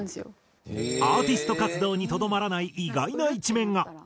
アーティスト活動にとどまらない意外な一面が。